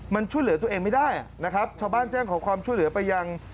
มันช่วยเหลือตัวเองไม่ได้นะครับชาวบ้านแจ้งขอความช่วยเหลือไปยัง